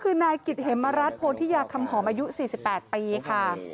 คือนายกริธเฮมเมะรัสพูดที่ยากคำหอมายุ๔๘ปีค่ะ